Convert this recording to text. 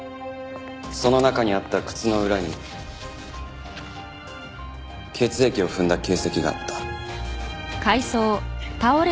その中にあった靴の裏に血液を踏んだ形跡があった。